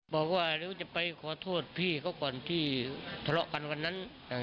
บอกว่าเดี๋ยวจะไปขอโทษพี่เขาก่อนที่ทะเลาะกันวันนั้น